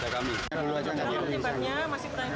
kalau kabel kabelnya semuanya masih bagus